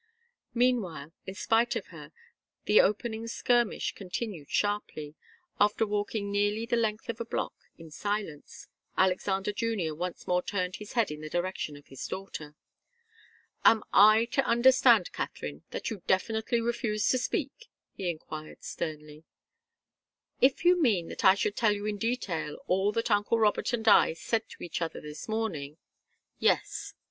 Meanwhile, in spite of her, the opening skirmish continued sharply. After walking nearly the length of a block in silence, Alexander Junior once more turned his head in the direction of his daughter. "Am I to understand, Katharine, that you definitely refuse to speak?" he enquired, sternly. "If you mean that I should tell you in detail all that uncle Robert and I said to each other this morning, yes.